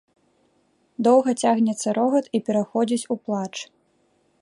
Доўга цягнецца рогат і пераходзіць у плач.